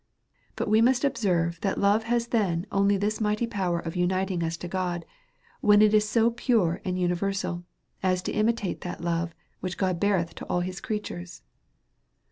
But we must observe that love has then only this mighty power of uniting us to God, when it is so pure and universal, as to imitaie that love, which God beareth to all his creatures.